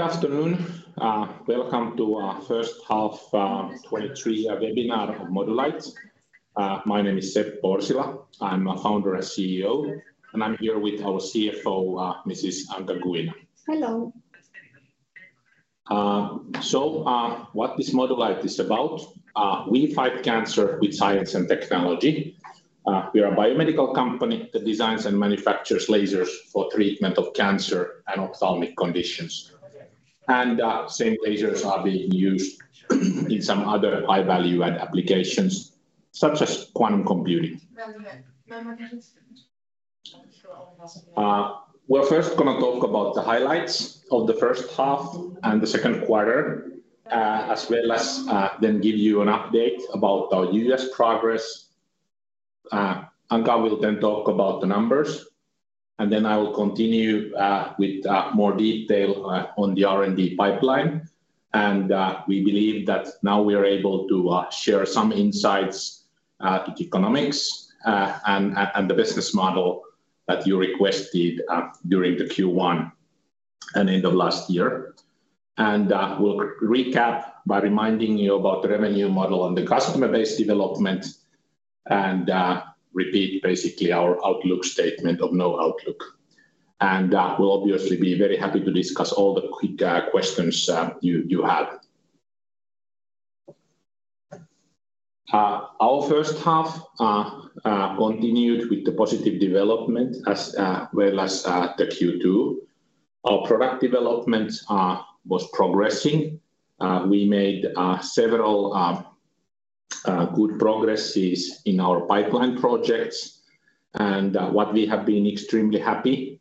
Good afternoon. Welcome to our first half 2023 webinar of Modulight. My name is Sepp Orsila. I'm a founder and CEO, and I'm here with our CFO, Anca Guina. Hello. What is Modulight is about? We fight cancer with science and technology. We are a biomedical company that designs and manufactures lasers for treatment of cancer and ophthalmic conditions. Same lasers are being used in some other high value-add applications, such as quantum computing. We're first gonna talk about the highlights of the first half and the second quarter, as well as then give you an update about our U.S. progress. Anca will then talk about the numbers, and then I will continue with more detail on the R&D pipeline. We believe that now we are able to share some insights to economics and the business model that you requested during the Q1 and end of last year. We'll re-recap by reminding you about the revenue model and the customer base development, and repeat basically our outlook statement of no outlook. We'll obviously be very happy to discuss all the quick questions you have. Our first half continued with the positive development, as well as the Q2. Our product development was progressing. We made several good progresses in our pipeline projects, what we have been extremely happy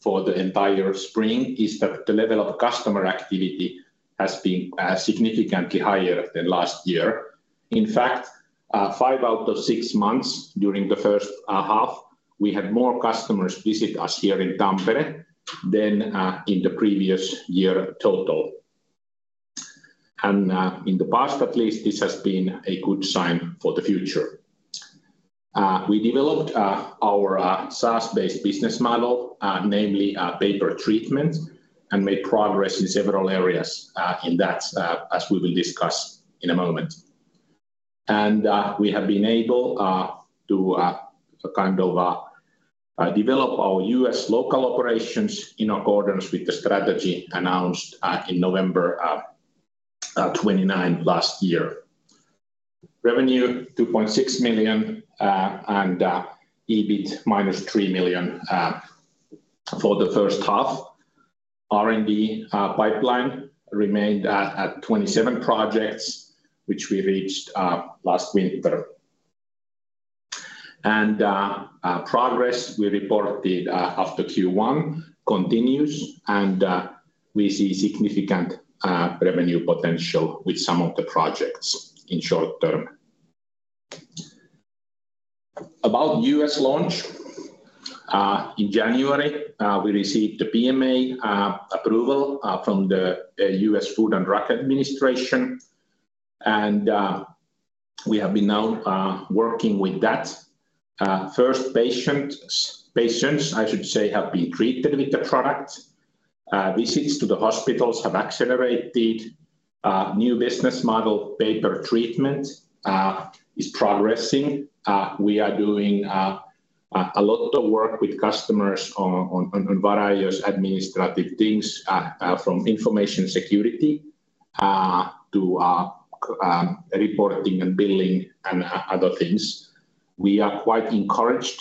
for the entire spring is that the level of customer activity has been significantly higher than last year. In fact, five out of six months during the first half, we had more customers visit us here in Tampere than in the previous year total. In the past at least, this has been a good sign for the future. We developed our SaaS-based business pay-per-treatment, and made progress in several areas in that, as we will discuss in a moment. We have been able to kind of develop our U.S. local operations in accordance with the strategy announced in November 29 last year. Revenue, 2.6 million, and EBIT -3 million for the first half. R&D pipeline remained at 27 projects, which we reached last winter. Progress we reported after Q1 continues, and we see significant revenue potential with some of the projects in short term. About U.S. launch, in January, we received the PMA approval from the U.S. Food and Drug Administration, and we have been now working with that. First patients, patients, I should say, have been treated with the product. Visits to the hospitals have accelerated. New pay-per-treatment, is progressing. We are doing a lot of work with customers on, on, on various administrative things, from information security to reporting and billing and other things. We are quite encouraged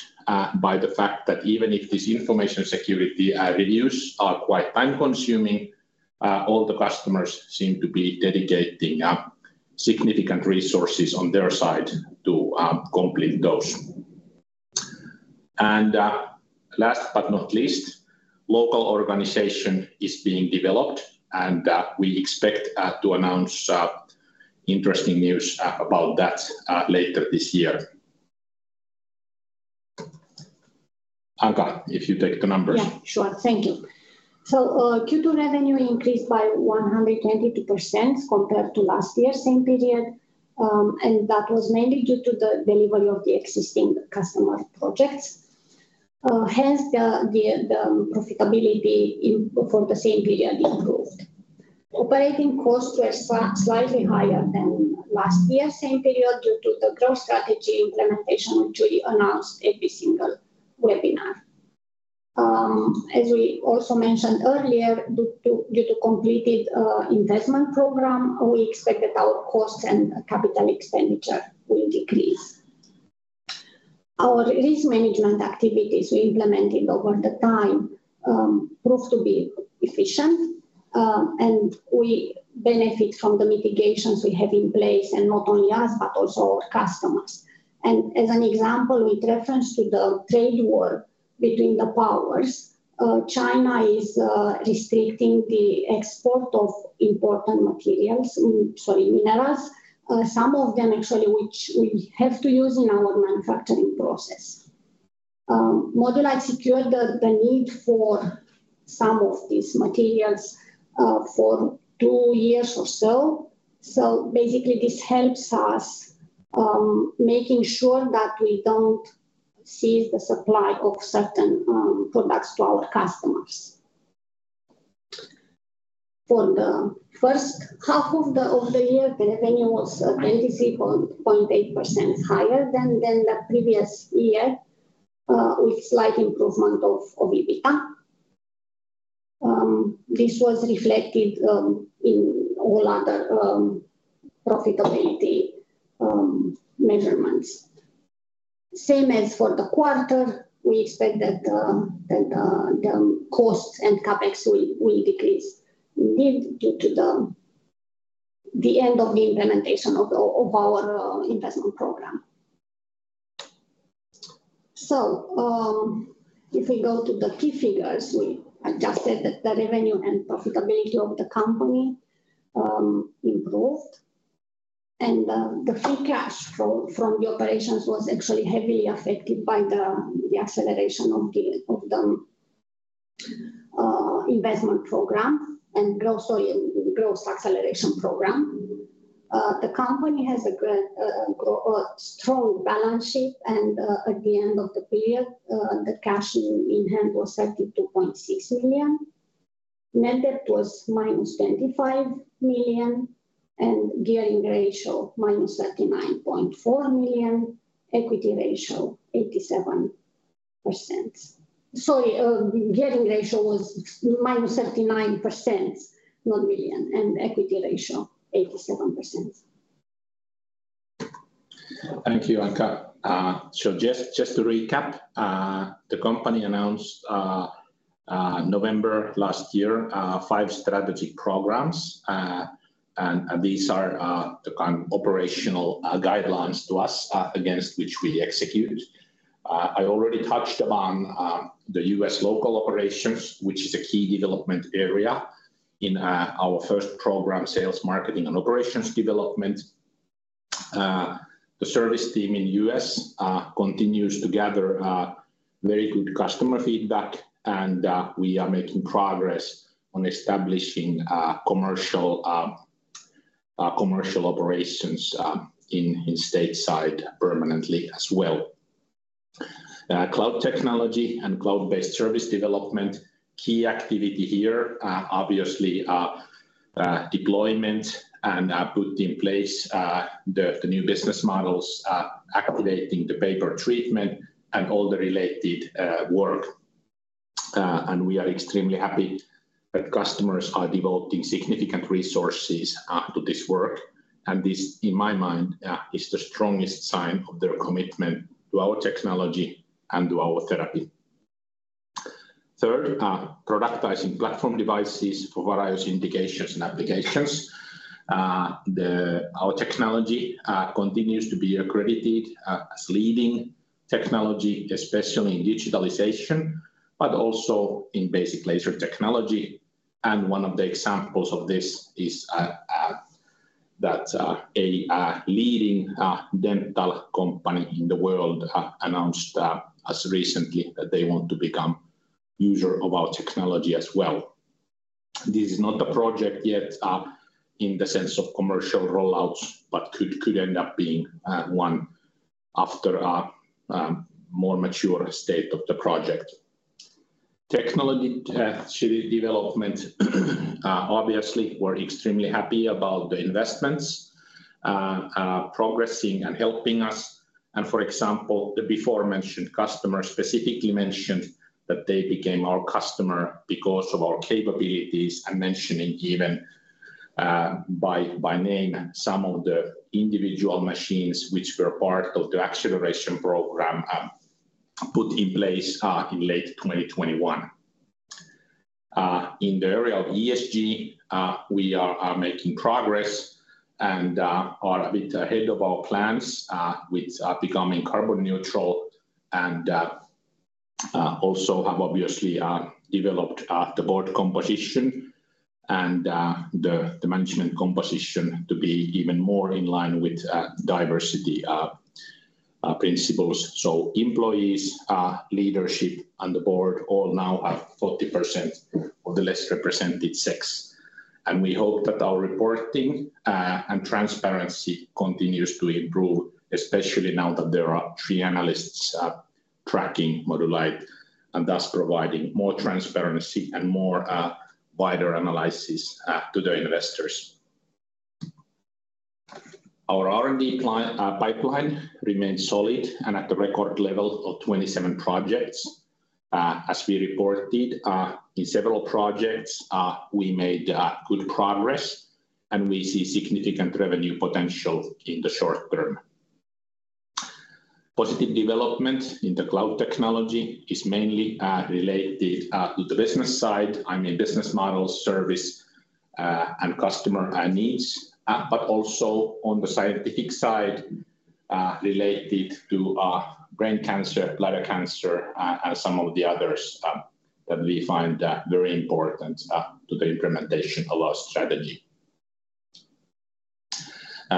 by the fact that even if this information security reviews are quite time-consuming, all the customers seem to be dedicating significant resources on their side to complete those. Last but not least, local organization is being developed, and, we expect to announce interesting news about that later this year. Anca, if you take the numbers. Yeah, sure. Thank you. Q2 revenue increased by 122% compared to last year same period, and that was mainly due to the delivery of the existing customer projects. Hence, the profitability in, for the same period improved. Operating costs were slightly higher than last year same period due to the growth strategy implementation, which we announced every single webinar. As we also mentioned earlier, due to completed investment program, we expected our costs and capital expenditure will decrease. Our risk management activities we implemented over the time proved to be efficient, and we benefit from the mitigations we have in place, and not only us, but also our customers. As an example, with reference to the trade war between the powers, China is restricting the export of important materials, sorry, minerals, some of them actually, which we have to use in our manufacturing process. Modulight secured the need for some of these materials for two years or so. Basically, this helps us making sure that we don't cease the supply of certain products to our customers. For the first half of the year, the revenue was 23.8% higher than the previous year, with slight improvement of EBITDA. This was reflected in all other profitability measurements. Same as for the quarter, we expect that the costs and CapEx will decrease due to the end of the implementation of the, of our investment program. If we go to the key figures, we adjusted the revenue and profitability of the company improved, and the free cash flow from the operations was actually heavily affected by the acceleration of the investment program and also in growth acceleration program. The company has a great strong balance sheet and at the end of the period, the cash in hand was 32.6 million. Net debt was -25 million, and gearing ratio, -39.4 million. Equity ratio, 87%. Sorry, gearing ratio was -39%, not million, and equity ratio, 87%. Thank you, Anca. Just, just to recap, the company announced November last year, five strategic programs. These are the kind of operational guidelines to us, against which we execute. I already touched upon the U.S. local operations, which is a key development area in our first program, sales, marketing, and operations development. The service team in U.S. continues to gather very good customer feedback, and we are making progress on establishing commercial commercial operations in stateside permanently as well. Cloud technology and cloud-based service development, key activity here, obviously, are deployment and put in place the new business models, pay-per-treatment and all the related work. We are extremely happy that customers are devoting significant resources to this work, and this, in my mind, is the strongest sign of their commitment to our technology and to our therapy. Third, productizing platform devices for various indications and applications. The-- our technology continues to be accredited as leading technology, especially in digitalization, but also in basic laser technology. One of the examples of this is that a leading dental company in the world announced as recently, that they want to become user of our technology as well. This is not a project yet, in the sense of commercial rollouts, but could, could end up being one after a more mature state of the project. Technology, development, obviously, we're extremely happy about the investments, progressing and helping us. For example, the before mentioned customer specifically mentioned that they became our customer because of our capabilities and mentioning even, by, by name, some of the individual machines which were part of the acceleration program, put in place in late 2021. In the area of ESG, we are, are making progress and are a bit ahead of our plans with becoming carbon neutral and also have obviously developed the board composition and the, the management composition to be even more in line with diversity principles. Employees, leadership and the board all now have 40% of the less represented sex, and we hope that our reporting and transparency continues to improve, especially now that there are three analysts tracking Modulight, and thus providing more transparency and more wider analysis to the investors. Our R&D client pipeline remains solid and at the record level of 27 projects. As we reported, in several projects, we made good progress, and we see significant revenue potential in the short term. Positive development in the cloud technology is mainly related to the business side, I mean, business model, service, and customer needs, but also on the scientific side, related to brain cancer, bladder cancer, and some of the others that we find very important to the implementation of our strategy.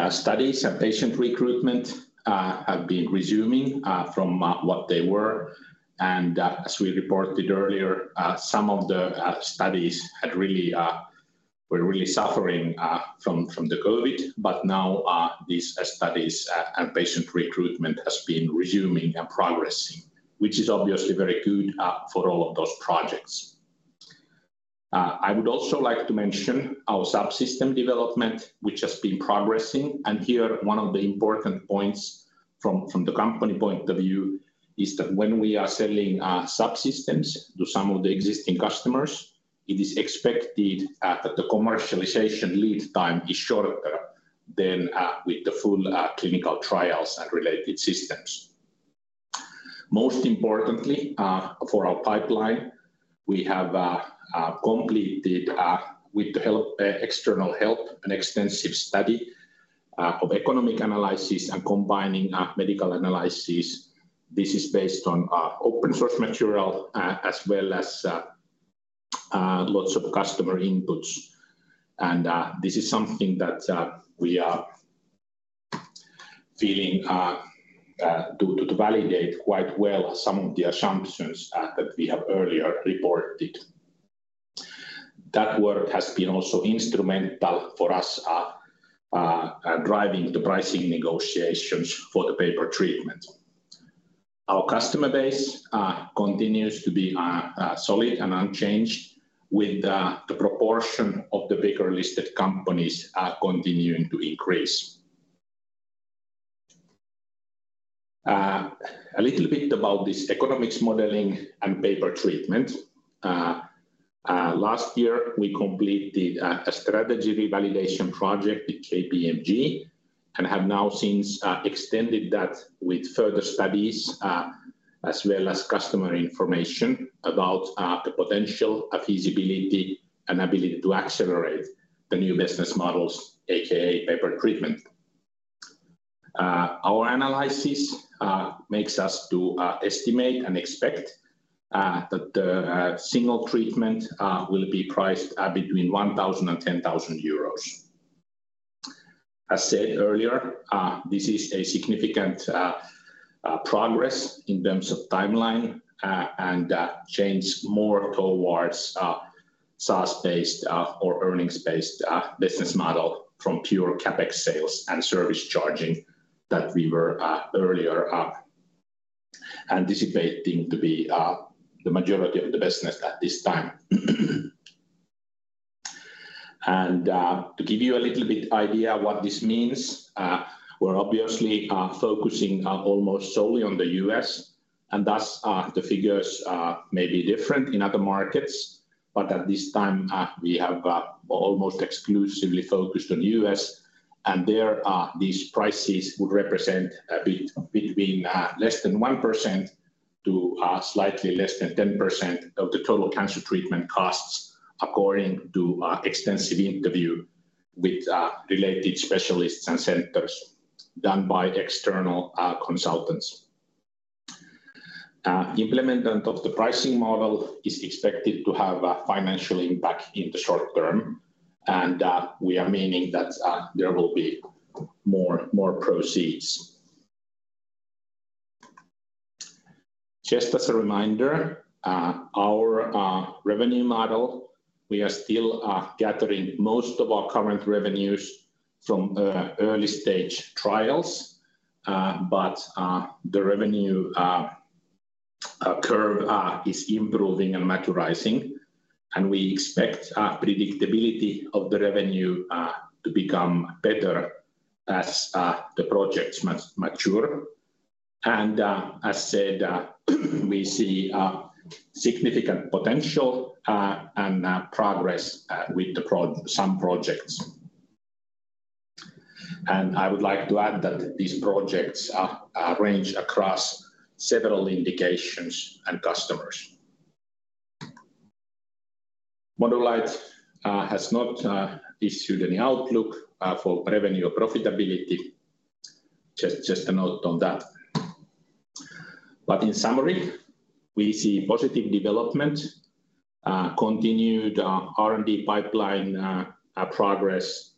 Studies and patient recruitment have been resuming from what they were. As we reported earlier, some of the studies were really suffering from, from the COVID, but now, these studies and patient recruitment has been resuming and progressing, which is obviously very good for all of those projects. I would also like to mention our subsystem development, which has been progressing, and here, one of the important points from, from the company point of view, is that when we are selling subsystems to some of the existing customers, it is expected that the commercialization lead time is shorter than with the full clinical trials and related systems. Most importantly, for our pipeline, we have completed with the help, external help, an extensive study of economic analysis and combining medical analysis. This is based on open source material, as well as lots of customer inputs, and this is something that we are feeling to validate quite well some of the assumptions that we have earlier reported. That work has been also instrumental for us, driving the pricing negotiations pay-per-treatment. Our customer base continues to be solid and unchanged with the proportion of the bigger listed companies continuing to increase. A little bit about this economics pay-per-treatment. Last year, we completed a strategy revalidation project with KPMG and have now since extended that with further studies, as well as customer information about the potential feasibility, and ability to accelerate the new business models, aka Pay-per-treatment. Our analysis makes us to estimate and expect that the single treatment will be priced between 1,000 and 10,000 euros. As said earlier, this is a significant progress in terms of timeline, and that change more towards SaaS-based, or earnings-based, business model from pure CapEx sales and service charging that we were earlier anticipating to be the majority of the business at this time. To give you a little bit idea what this means, we're obviously focusing almost solely on the U.S., and thus, the figures are maybe different in other markets, but at this time, we have almost exclusively focused on U.S., and there, these prices would represent a bit between less than 1% to slightly less than 10% of the total cancer treatment costs, according to extensive interview with related specialists and centers done by external consultants. Implementation of the pricing model is expected to have a financial impact in the short term, we are meaning that there will be more, more proceeds. Just as a reminder, our revenue model, we are still gathering most of our current revenues from early-stage trials, the revenue curve is improving and maturizing, and we expect predictability of the revenue to become better as the projects mature. As said, we see significant potential and progress with some projects. I would like to add that these projects range across several indications and customers. Modulight has not issued any outlook for revenue or profitability. Just, just a note on that. In summary, we see positive development, continued R&D pipeline progress.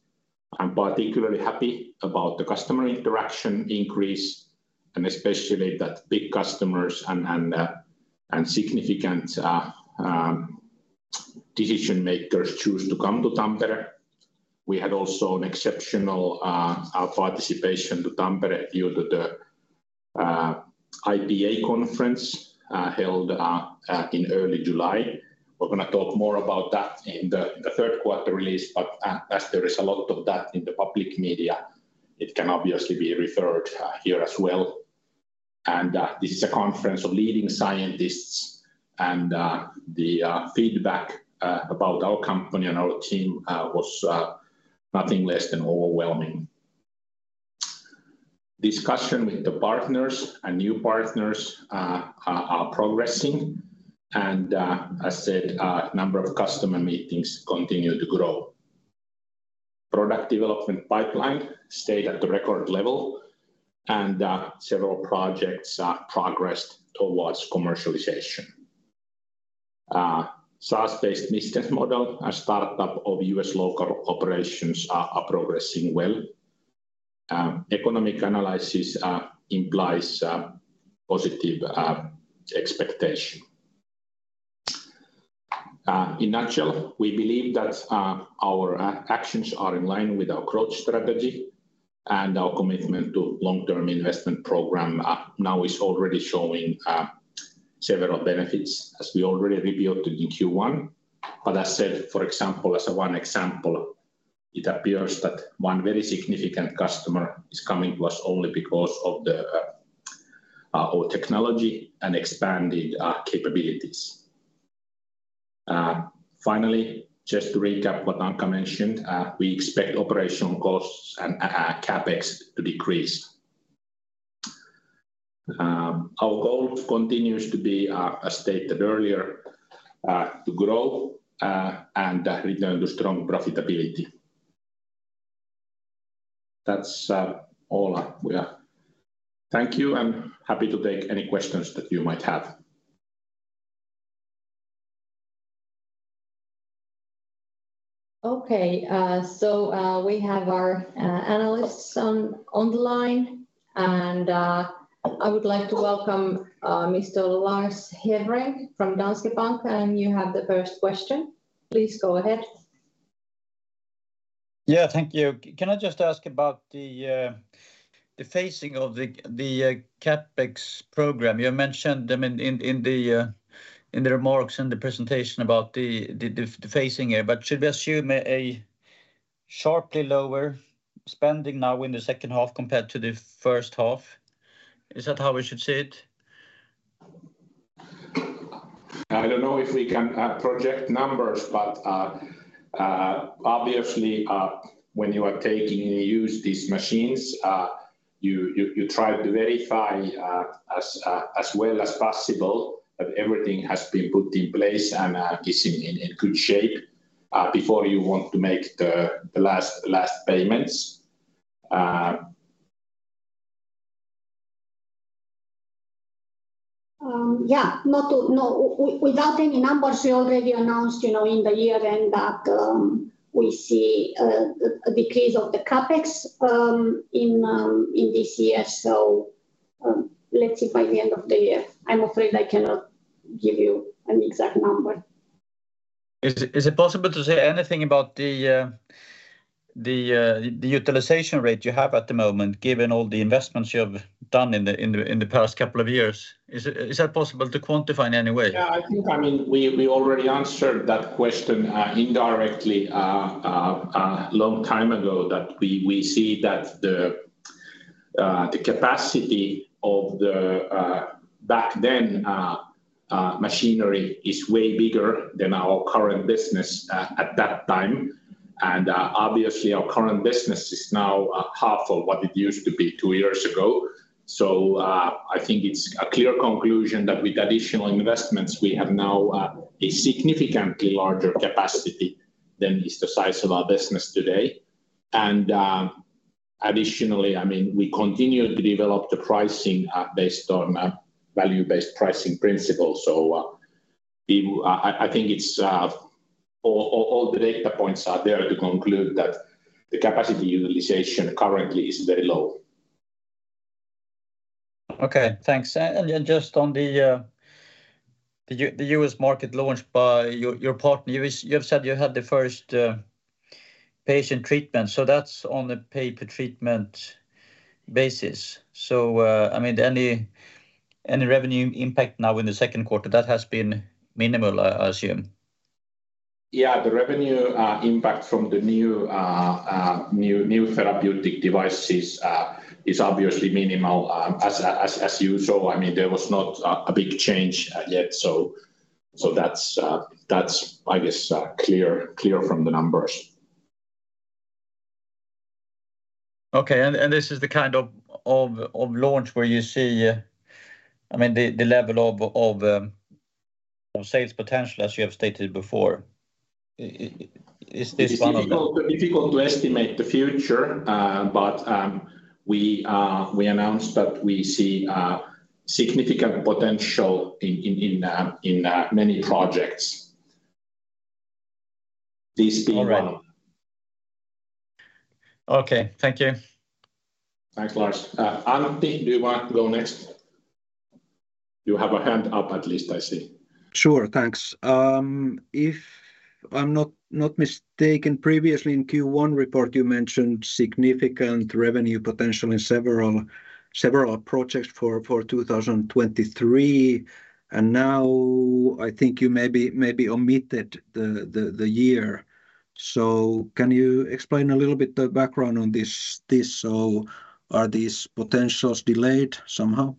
I'm particularly happy about the customer interaction increase, and especially that big customers and and significant decision-makers choose to come to Tampere. We had also an exceptional participation to Tampere due to the IPA conference held in early July. We're gonna talk more about that in the third quarter release, as there is a lot of that in the public media, it can obviously be referred here as well. This is a conference of leading scientists and the feedback about our company and our team was nothing less than overwhelming. Discussion with the partners and new partners are progressing, as said, number of customer meetings continue to grow. Product development pipeline stayed at the record level, and several projects progressed towards commercialization. SaaS-based business model and startup of U.S. local operations are progressing well. Economic analysis implies positive expectation. In nutshell, we believe that our actions are in line with our growth strategy, and our commitment to long-term investment program now is already showing several benefits, as we already revealed in Q1. As said, for example, as one example, it appears that one very significant customer is coming to us only because of the our technology and expanded capabilities. Finally, just to recap what Anca mentioned, we expect operational costs and CapEx to decrease. Our goal continues to be, as stated earlier, to grow and return to strong profitability. That's all we are. Thank you, and happy to take any questions that you might have. Okay, we have our analysts on the line, and I would like to welcome Mr. Lars Hevreng from Danske Bank, and you have the first question. Please go ahead. Yeah, thank you. Can I just ask about the phasing of the CapEx program? You mentioned them in the remarks in the presentation about the phasing here, but should we assume a sharply lower spending now in the second half compared to the first half? Is that how we should see it? I don't know if we can, project numbers, but, obviously, when you are taking in use these machines, you try to verify as well as possible that everything has been put in place and, is in good shape before you want to make the last, last payments. Yeah, No, without any numbers, we already announced, you know, in the year end that we see a decrease of the CapEx in this year. Let's see by the end of the year. I'm afraid I cannot give you an exact number. Is it possible to say anything about the utilization rate you have at the moment, given all the investments you have done in the past couple of years? Is that possible to quantify in any way? Yeah, I think, I mean, we already answered that question indirectly a long time ago, that we see that the capacity of the back then machinery is way bigger than our current business at that time. Obviously, our current business is now half of what it used to be two years ago. I think it's a clear conclusion that with additional investments, we have now a significantly larger capacity than is the size of our business today. Additionally, I mean, we continue to develop the pricing based on a value-based pricing principle. I think all the data points are there to conclude that the capacity utilization currently is very low. Okay, thanks. Just on the U.S. market launch by your partner, you've said you had the first patient treatment, so that's on a pay-per-treatment basis. I mean, any revenue impact now in the second quarter? That has been minimal, I assume. Yeah, the revenue, impact from the new therapeutic device is obviously minimal as you saw. I mean there was not a big change yet, so, that's, I guess, clear from the numbers. Okay, and this is the kind of launch where you see, I mean the level of sales potential as you have stated before. Is this one of them? It's difficult to estimate the future, but we announced that we see significant potential in many projects. This being one. All right. Okay, thank you. Thanks, Lars. Antti, do you want to go next? You have a hand up, at least I see. Sure, thanks. If I'm not mistaken, previously in Q1 report, you mentioned significant revenue potential in several projects for 2023, and now I think you maybe omitted the year. Can you explain a little bit the background on this? Are these potentials delayed somehow?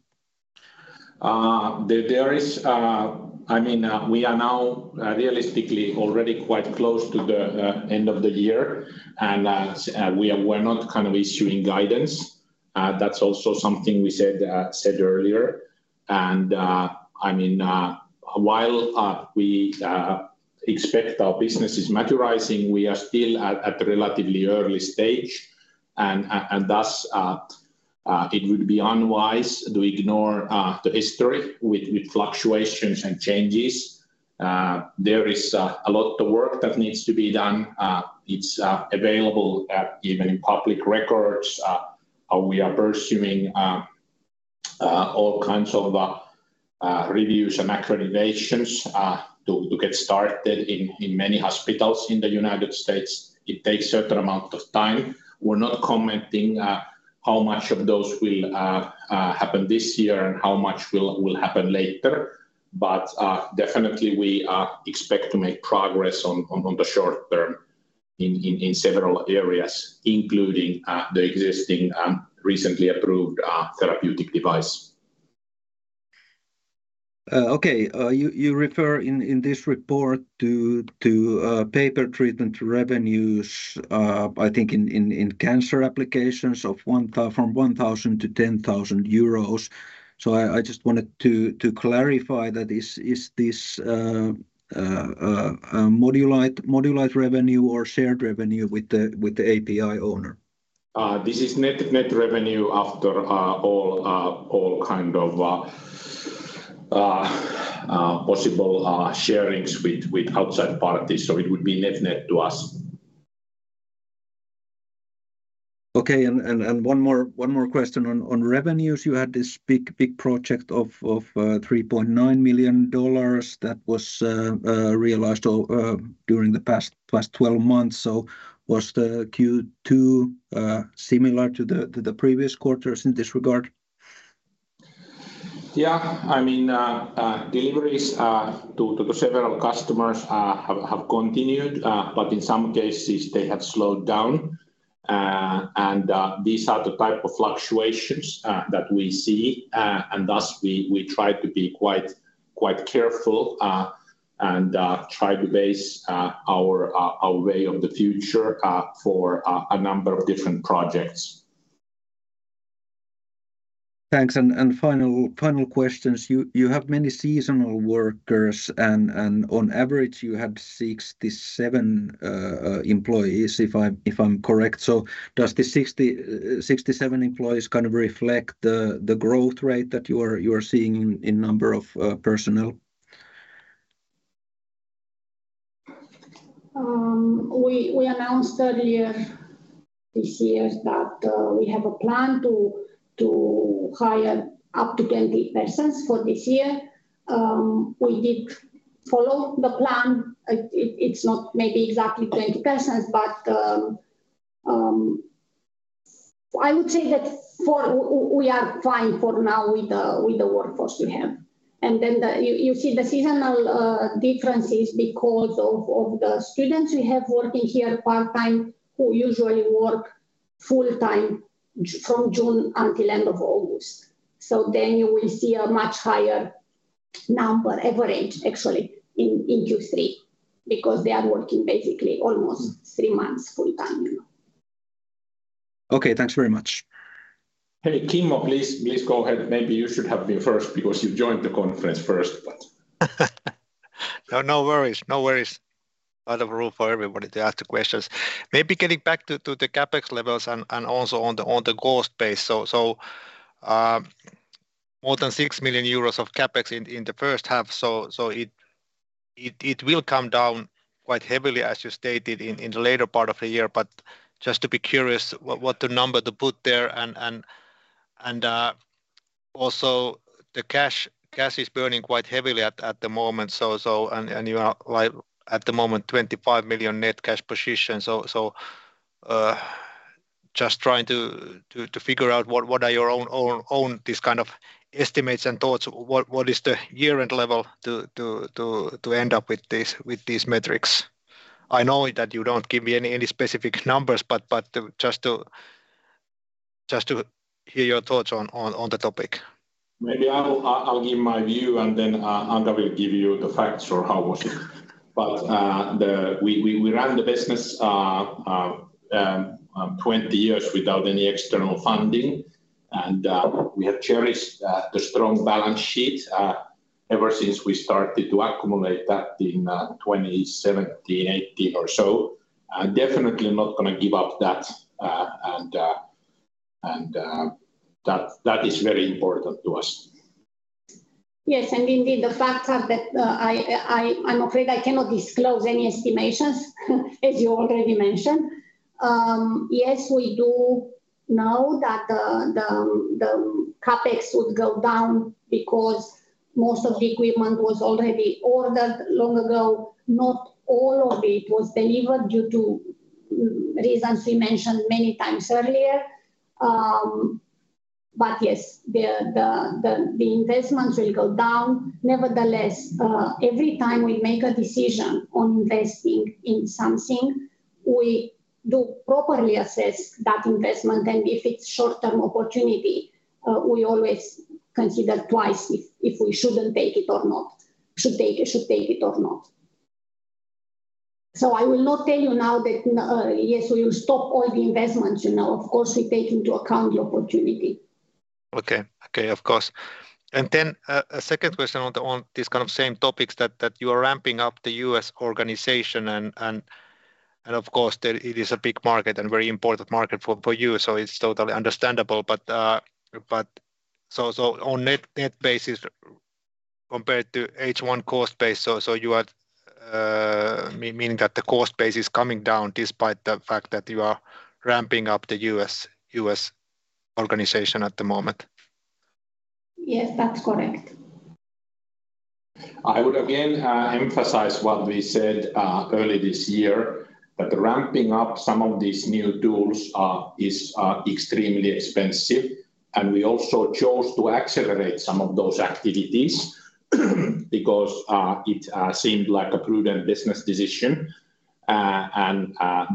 I mean, we are now realistically already quite close to the end of the year, and we're not kind of issuing guidance. That's also something we said earlier. I mean, while we expect our business is maturizing, we are still at a relatively early stage, and thus it would be unwise to ignore the history with fluctuations and changes. There is a lot of work that needs to be done. It's available even in public records. We are pursuing all kinds of reviews and accreditations to get started in many hospitals in the United States. It takes certain amount of time. We're not commenting how much of those will happen this year and how much will happen later but definitely we are expect to make progress on the short term in several areas, including the existing, recently approved, therapeutic device. Okay. You refer in this report to, to pay-per-treatment revenues, I think in cancer applications of from 1,000-10,000 euros. I, I just wanted to, to clarify that is this a Modulight revenue or shared revenue with with the API owner? This is net-net revenue after all kind of possible sharings with outside parties, so it would be net-net to us. Okay. One more question on revenues. You had this big project of $3.9 million that was realized during the past 12 months. Was the Q2 similar to the previous quarters in this regard? Yeah. I mean, deliveries to several customers have continued, but in some cases they have slowed down. These are the type of fluctuations that we see, and thus, we try to be quite careful and try to base our way of the future for a number of different projects. Thanks. Final, final questions. You, you have many seasonal workers, and on average, you had 67 employees, if I'm correct. Does the 67 employees kind of reflect the growth rate that you are seeing in number of personnel? We announced earlier this year that we have a plan to hire up to 20 persons for this year. We did follow the plan. It's not maybe exactly 20 persons, but I would say that we are fine for now with the workforce we have. Then, you see the seasonal differences because of the students we have working here part-time, who usually work full-time from June until end of August. Then you will see a much higher number average actually in Q3 because they are working basically almost three months full time, you know. Okay. Thanks very much. Hey, Kimmo, please, please, go ahead. Maybe you should have been first because you joined the conference first. No, no worries, no worries. Lot of room for everybody to ask the questions. Maybe getting back to the CapEx levels and also on the cost base. More than 6 million euros of CapEx in the first half, so it will come down quite heavily, as you stated in the later part of the year. Just to be curious, what the number to put there? Also the cash is burning quite heavily at the moment, so you are like, at the moment, 25 million net cash position. Just trying to figure out what are your own, these kind of estimates and thoughts. What is the year-end level to end up with these metrics? I know that you don't give me any, any specific numbers, but just to hear your thoughts on the topic. Maybe I'll, I'll, I'll give my view, and then Anca will give you the facts or how was it. We ran the business 20 years without any external funding, and we have cherished the strong balance sheet ever since we started to accumulate that in 2017, 2018 or so. Definitely not gonna give up that, and that is very important to us. Yes, and indeed, the facts are that, I'm afraid I cannot disclose any estimations, as you already mentioned. Yes, we do know that the CapEx would go down because most of the equipment was already ordered long ago. Not all of it was delivered due to reasons we mentioned many times earlier, but yes, the investments will go down. Nevertheless, every time we make a decision on investing in something, we do properly assess that investment. If it's short-term opportunity, we always consider twice if we shouldn't take it or not, should take it, should take it or not. I will not tell you now that, yes, we will stop all the investments, you know. Of course, we take into account the opportunity. Okay. Okay, of course. A second question on this kind of same topics that you are ramping up the U.S. organization and of course, that it is a big market and very important market for you, so it's totally understandable. On net-net basis, compared to H1 cost base, so you are meaning that the cost base is coming down despite the fact that you are ramping up the U.S. organization at the moment? Yes, that's correct. I would again emphasize what we said early this year, that ramping up some of these new tools is extremely expensive, and we also chose to accelerate some of those activities, because it seemed like a prudent business decision. And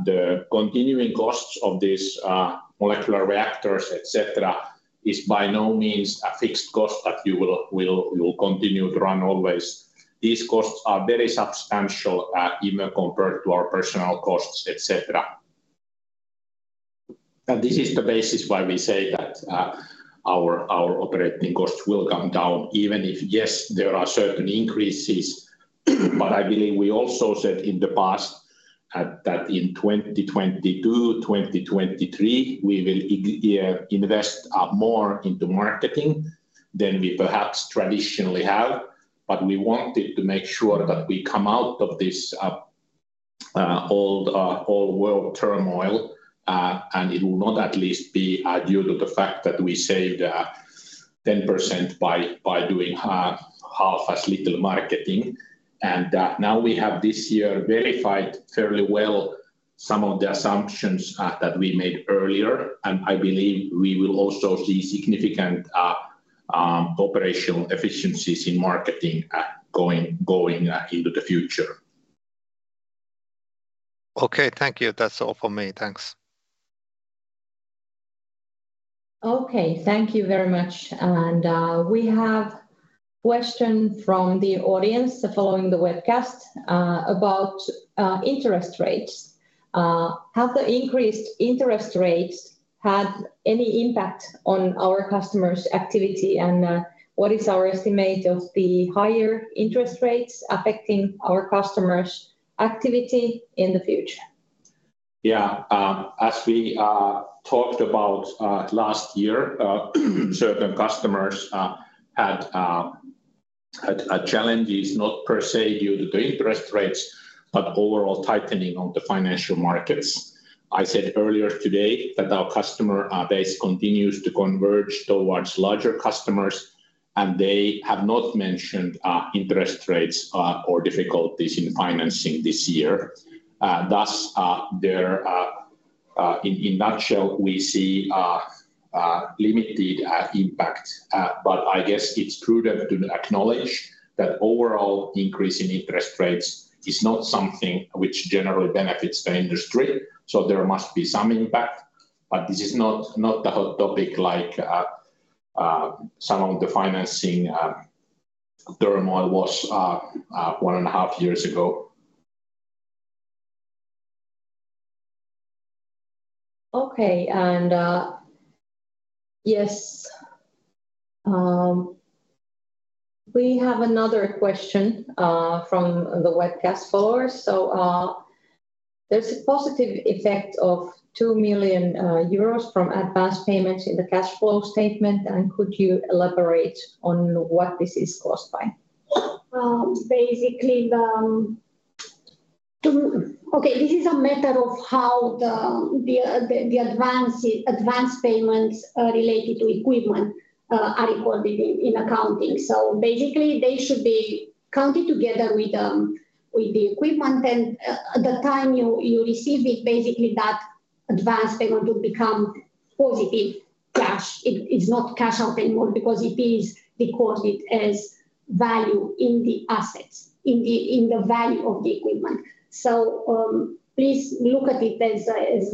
the continuing costs of these molecular reactors, et cetera, is by no means a fixed cost that you will continue to run always. These costs are very substantial, even compared to our personal costs, et cetera. And this is the basis why we say that our operating costs will come down, even if, yes, there are certain increases. But I believe we also said in the past that in 2022, 2023, we will invest more into marketing than we perhaps traditionally have. We wanted to make sure that we come out of this old world turmoil, and it will not at least be due to the fact that we saved 10% by doing half as little marketing. Now we have this year verified fairly well some of the assumptions that we made earlier, and I believe we will also see significant operational efficiencies in marketing going going into the future. Okay, thank you. That's all for me. Thanks. Okay. Thank you very much. We have question from the audience following the webcast about interest rates. Have the increased interest rates had any impact on our customers' activity, and what is our estimate of the higher interest rates affecting our customers' activity in the future? Yeah, as we talked about last year, certain customers had challenges, not per se, due to the interest rates, but overall tightening of the financial markets. I said earlier today that our customer base continues to converge towards larger customers. They have not mentioned interest rates or difficulties in financing this year. Thus, in nutshell, we see limited impact. I guess it's prudent to acknowledge that overall increase in interest rates is not something which generally benefits the industry, so there must be some impact. This is not the hot topic like some of the financing turmoil was one and a half years ago. Okay, yes, we have another question from the webcast followers. There's a positive effect of 2 million euros from advanced payments in the cash flow statement. Could you elaborate on what this is caused by? Basically, this is a matter of how the advance, advance payments related to equipment are recorded in accounting. Basically, they should be counted together with with the equipment, and at the time you receive it, basically that advance payment will become positive cash. It's not cash out anymore because it is recorded as value in the assets, in the value of the equipment. Please look at it as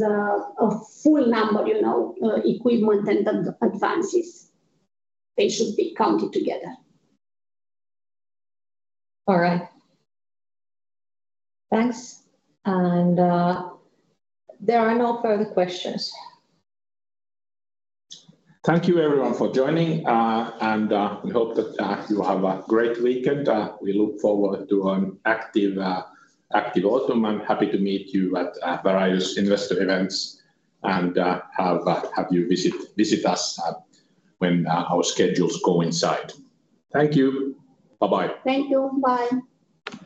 a full number, you know, equipment and the advances. They should be counted together. All right. Thanks. There are no further questions. Thank you, everyone, for joining, and, we hope that you have a great weekend. We look forward to an active autumn. I'm happy to meet you at various investor events, and have you visit us when, our schedules coincide. Thank you. Bye-bye. Thank you. Bye.